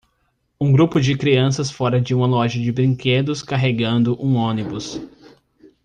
Um grupo de crianças fora de uma loja de brinquedos carregando um ônibus.